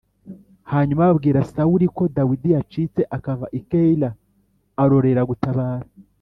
Hanyuma babwira Sawuli ko Dawidi yacitse akava i Keyila, arorera gutabara.